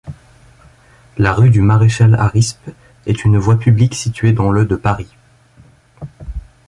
La rue du Maréchal-Harispe est une voie publique située dans le de Paris.